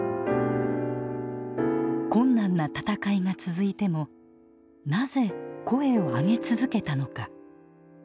困難な闘いが続いてもなぜ声をあげ続けたのか。